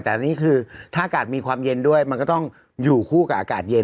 แต่อันนี้คือถ้าอากาศมีความเย็นด้วยมันก็ต้องอยู่คู่กับอากาศเย็น